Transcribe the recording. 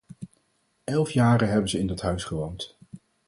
Elf jaren hebben ze in dat huis gewoond.